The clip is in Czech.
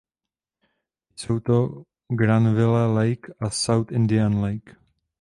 Jsou to Granville Lake a South Indian Lake.